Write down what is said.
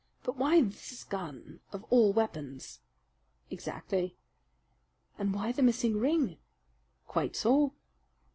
But why this gun, of all weapons?" "Exactly." "And why the missing ring?" "Quite so."